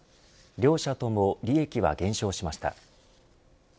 両社とも、利益は減少しました。